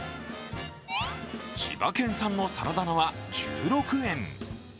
千葉県産のサラダ菜は１６円。